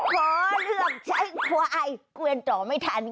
ขอเลือกใช้ควายเกวียนต่อไม่ทัน